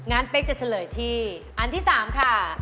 เป๊กจะเฉลยที่อันที่๓ค่ะ